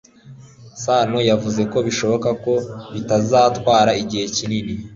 sano yavuze ko bishoboka ko bitazatwara igihe kinini